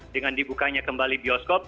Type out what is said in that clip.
dengan dibukanya kembali bioskop